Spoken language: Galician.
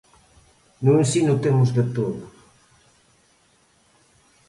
No ensino temos de todo.